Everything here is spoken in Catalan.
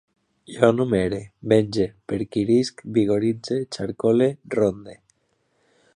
Jo numere, venge, perquirisc, vigoritze, xarcole, ronde